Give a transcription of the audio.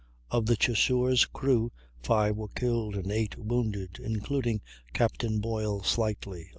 Of the Chasseur's crew 5 were killed and 8 wounded, including Captain Boyle slightly.